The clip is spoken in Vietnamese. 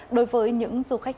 đối với những du khách